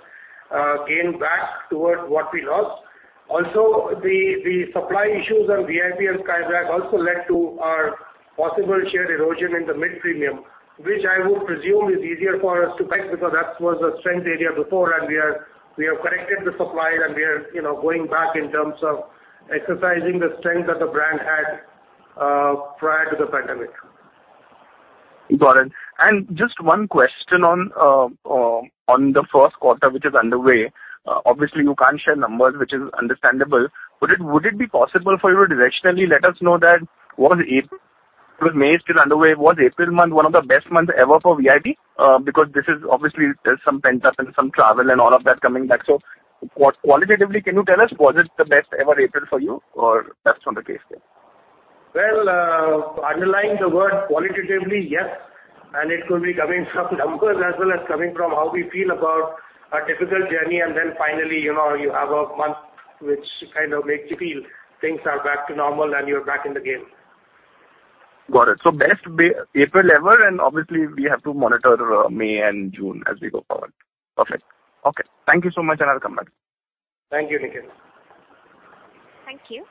gain back toward what we lost. Also, the supply issues on VIP and Skybags also led to our possible share erosion in the mid-premium, which I would presume is easier for us to back, because that was a strength area before and we are, we have corrected the supply and we are, you know, going back in terms of exercising the strength that the brand had prior to the pandemic. Got it. Just one question on the first quarter, which is underway. Obviously, you can't share numbers, which is understandable, but would it be possible for you to directionally let us know that was April, May still underway, was April month one of the best months ever for VIP? Because this is obviously there's some pent-up and some travel and all of that coming back. So what, qualitatively, can you tell us, was it the best ever April for you, or that's not the case here? Well, underlying the word qualitatively, yes, and it could be coming from numbers as well as coming from how we feel about a difficult journey, and then finally, you know, you have a month which kind of makes you feel things are back to normal and you're back in the game. Got it. So best April ever, and obviously, we have to monitor May and June as we go forward. Perfect. Okay. Thank you so much, and I'll come back. Thank you, Niket. Thank you.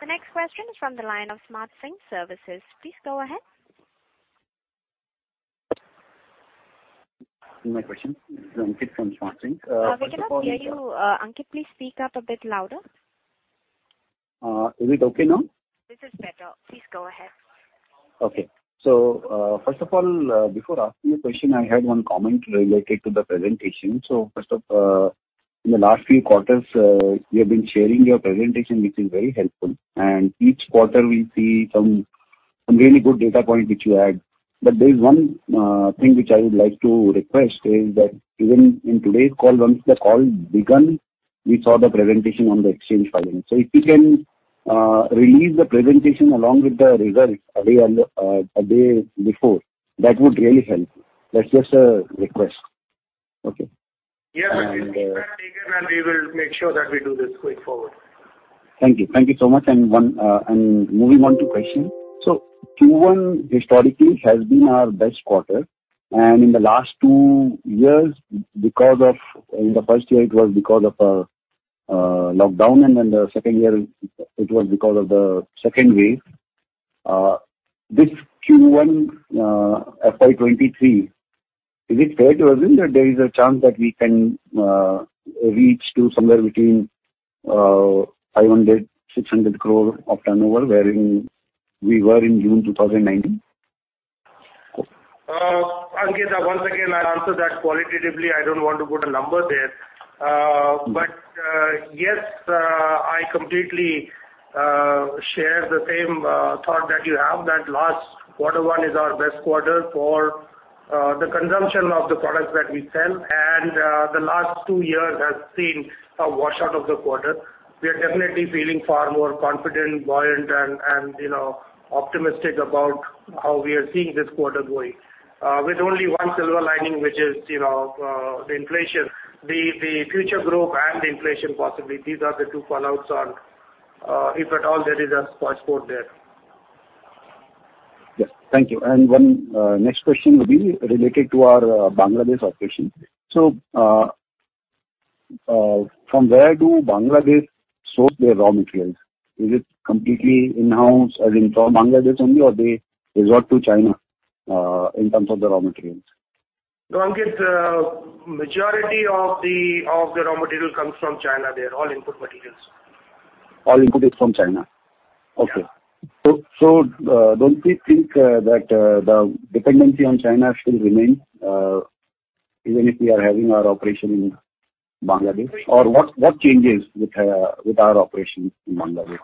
The next question is from the line of Smart Sync Services. Please go ahead. My question, this is Ankit from Smart Sync. We cannot hear you. Ankit, please speak up a bit louder. Is it okay now? This is better. Please go ahead. Okay. First of all, before asking a question, I had one comment related to the presentation. In the last few quarters, you have been sharing your presentation, which is very helpful, and each quarter we see some really good data point which you add. But there is one thing which I would like to request, is that even in today's call, once the call begun, we saw the presentation on the exchange filing. So if you can release the presentation along with the results a day before, that would really help. That's just a request. Okay. Yeah, it is being taken, and we will make sure that we do this going forward. Thank you. Thank you so much. And moving on to question. So Q1 historically has been our best quarter, and in the last two years, because of in the first year it was because of lockdown, and then the second year it was because of the second wave. This Q1, FY 2023, is it fair to assume that there is a chance that we can reach to somewhere between 500 crore-600 crore of turnover, wherein we were in June 2019? Ankit, once again, I'll answer that qualitatively. I don't want to put a number there. But yes, I completely share the same thought that you have, that last quarter one is our best quarter for the consumption of the products that we sell. And the last two years has seen a washout of the quarter. We are definitely feeling far more confident, buoyant, and, you know, optimistic about how we are seeing this quarter going. With only one silver lining, which is, you know, the inflation. The future growth and the inflation, possibly, these are the two fallouts on, if at all there is a spoilsport there. Yes. Thank you. And one next question will be related to our Bangladesh operation. So, from where do Bangladesh source their raw materials? Is it completely in-house, as in from Bangladesh only, or they resort to China, in terms of the raw materials? No, Ankit, majority of the raw material comes from China. They are all input materials. All input is from China? Yeah. Okay. So, don't we think that the dependency on China still remain even if we are having our operation in Bangladesh? Or what changes with our operations in Bangladesh?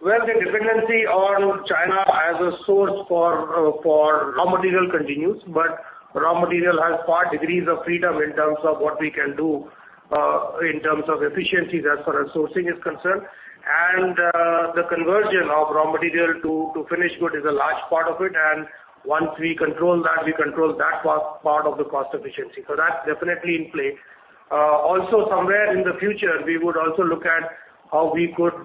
Well, the dependency on China as a source for raw material continues, but raw material has far degrees of freedom in terms of what we can do in terms of efficiencies as far as sourcing is concerned. And the conversion of raw material to finished goods is a large part of it, and once we control that, we control that part of the cost efficiency. So that's definitely in play. Also somewhere in the future, we would also look at how we could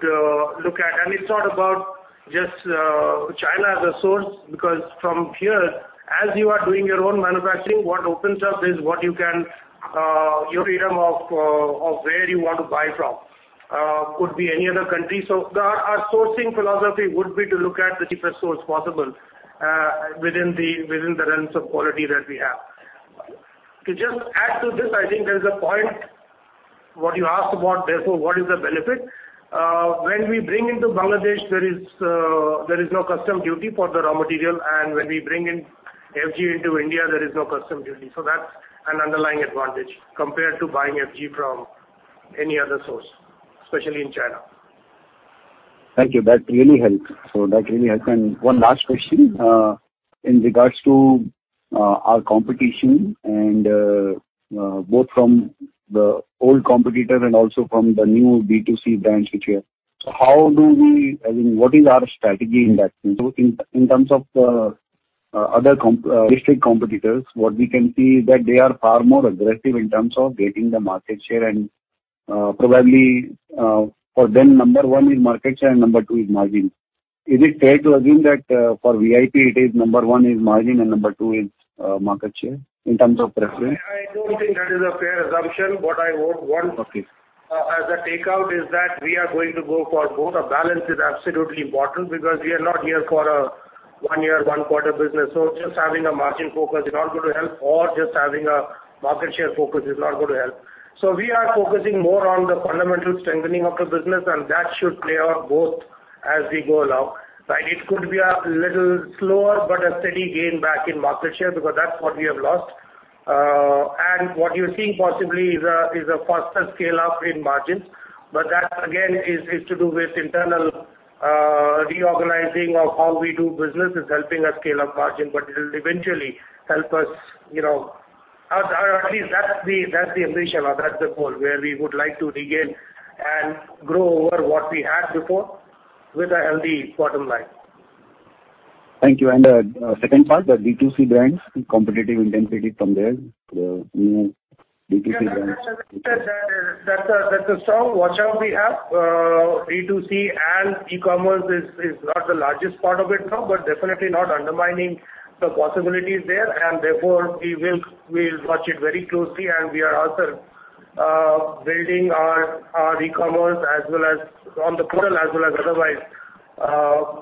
look at. And it's not about just China as a source, because from here, as you are doing your own manufacturing, what opens up is what you can, your freedom of where you want to buy from could be any other country. So, our sourcing philosophy would be to look at the cheapest source possible, within the realms of quality that we have. To just add to this, I think there is a point what you asked about, therefore, what is the benefit? When we bring into Bangladesh, there is no customs duty for the raw material, and when we bring in FG into India, there is no customs duty. So that's an underlying advantage compared to buying FG from any other source, especially in China. Thank you. That really helps. So that really helps. And one last question, in regards to our competition and both from the old competitor and also from the new D2C brands which are here. So how do we—I mean, what is our strategy in that sense? In terms of other direct competitors, what we can see is that they are far more aggressive in terms of getting the market share and probably for them, number one is market share and number two is margin. Is it fair to assume that for VIP, it is number one is margin and number two is market share in terms of preference? I don't think that is a fair assumption. What I would want- Okay. As a takeaway is that we are going to go for both. A balance is absolutely important because we are not here for a one year, one quarter business. So just having a margin focus is not going to help, or just having a market share focus is not going to help. So we are focusing more on the fundamental strengthening of the business, and that should play out both as we go along, right? It could be a little slower, but a steady gain back in market share, because that's what we have lost. And what you're seeing possibly is a faster scale-up in margins. But that, again, is to do with internal reorganizing of how we do business is helping us scale up margin, but it will eventually help us, you know... Or, at least that's the ambition or that's the goal, where we would like to regain and grow over what we had before with a healthy bottom line. Thank you. And, second part, the B2C brands, competitive intensity from there, the new B2C brands. Yeah, that's a strong washout we have. B2C and e-commerce is not the largest part of it now, but definitely not undermining the possibilities there, and therefore, we will watch it very closely. And we are also building our e-commerce as well as on the portal, as well as otherwise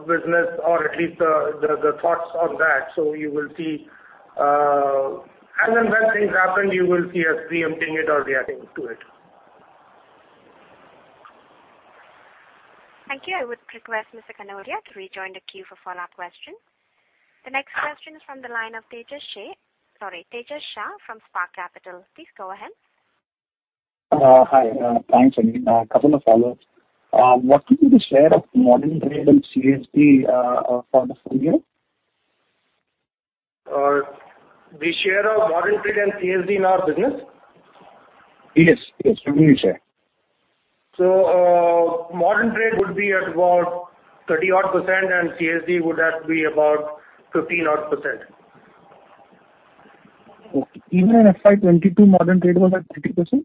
business or at least the thoughts on that. So you will see, as and when things happen, you will see us preempting it or reacting to it. Thank you. I would request Mr. Kanodia to rejoin the queue for follow-up questions. The next question is from the line of Tejas Shah from Spark Capital. Please go ahead. Hi, thanks, I mean, a couple of followers. What will be the share of modern trade and CSD for the full year? The share of modern trade and CSD in our business? Yes, yes, the future. Modern trade would be at about 30-odd%, and CSD would have to be about 15-odd%. Okay. Even in FY 2022, modern trade was at 30%?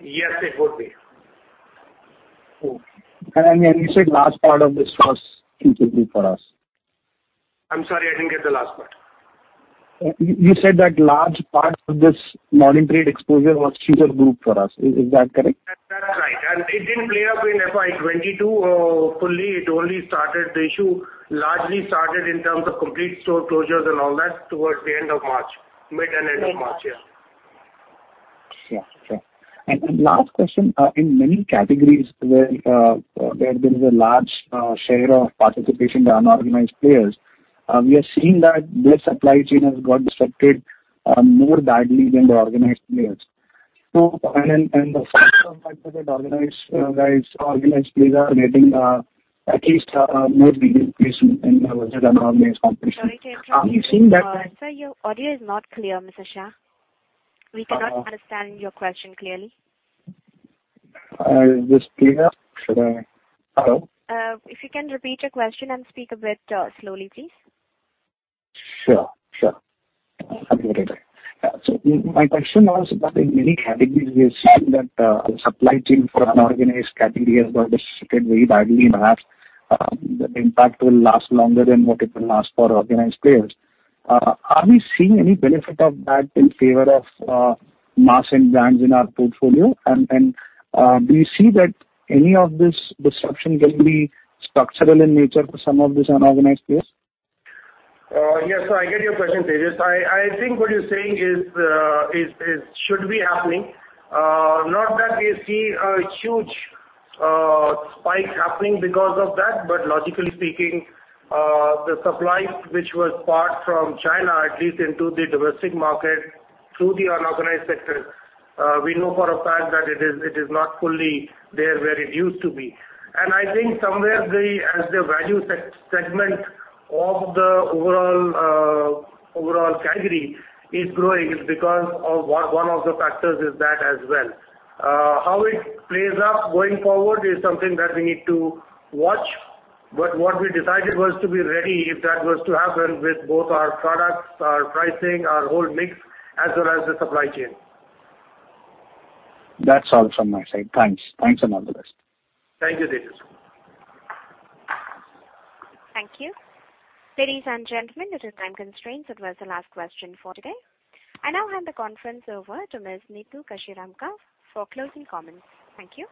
Yes, it would be. Okay. And, you said last part of this was completely for us. I'm sorry, I didn't get the last part. You said that large part of this modern trade exposure was Future Group for us. Is that correct? That, that's right. And it didn't play out in FY 2022 fully. It only started the issue, largely started in terms of complete store closures and all that towards the end of March, mid and end of March, yeah. Sure, sure. And last question, in many categories where there is a large share of participation by unorganized players, we are seeing that their supply chain has got disrupted more badly than the organized players. So, the fact that organized guys, organized players are getting at least more relief in the unorganized competition. We've seen that- Sorry to interrupt. Sir, your audio is not clear, Mr. Shah. We cannot understand your question clearly. Is this clear? Should I, Hello? If you can repeat your question and speak a bit, slowly, please. Sure, sure. I'll do that. So my question was that in many categories, we are seeing that the supply chain for unorganized category has got disrupted very badly, and perhaps the impact will last longer than what it will last for organized players. Are we seeing any benefit of that in favor of mass and brands in our portfolio? And, and do you see that any of this disruption can be structural in nature for some of these unorganized players? Yes, so I get your question, Tejas. I think what you're saying is should be happening. Not that we see a huge spike happening because of that, but logically speaking, the supply which was part from China, at least into the domestic market, through the unorganized sector, we know for a fact that it is not fully there where it used to be. And I think somewhere as the value segment of the overall category is growing, it's because one of the factors is that as well. How it plays out going forward is something that we need to watch, but what we decided was to be ready, if that was to happen, with both our products, our pricing, our whole mix, as well as the supply chain. That's all from my side. Thanks. Thanks, and all the best. Thank you, Tejas. Thank you. Ladies and gentlemen, due to time constraints, that was the last question for today. I now hand the conference over to Ms. Neetu Kashiramka for closing comments. Thank you.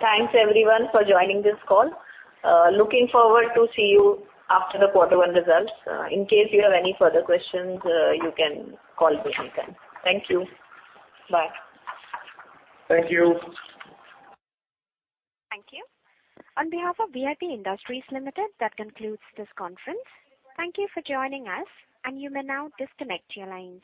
Thanks, everyone, for joining this call. Looking forward to see you after the quarter one results. In case you have any further questions, you can call me anytime. Thank you. Bye. Thank you. Thank you. On behalf of VIP Industries Limited, that concludes this conference. Thank you for joining us, and you may now disconnect your lines.